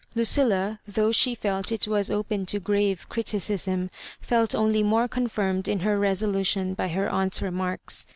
Lucilla, though she felt it was open to grave criticism, felt only more confirmed in her resolution by her aunt's remarks.